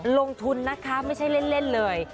ลงทุนนะคะไม่ใช่เล่นเลย